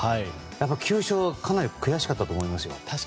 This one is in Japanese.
やっぱり９勝はかなり悔しかったと思いますよ。